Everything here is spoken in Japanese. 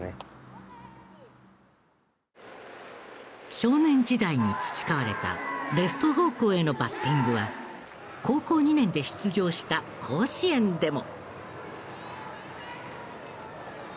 少年時代に培われたレフト方向へのバッティングは高校２年で出場した甲子園でも。